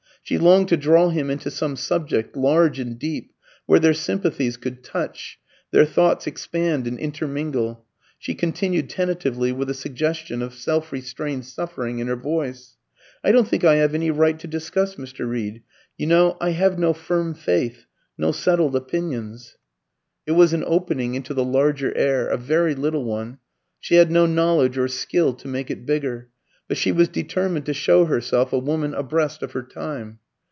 She longed to draw him into some subject, large and deep, where their sympathies could touch, their thoughts expand and intermingle. She continued tentatively, with a suggestion of self restrained suffering in her voice, "I don't think I have any right to discuss Mr. Reed. You know I have no firm faith, no settled opinions." It was an opening into the larger air, a very little one; she had no knowledge or skill to make it bigger, but she was determined to show herself a woman abreast of her time.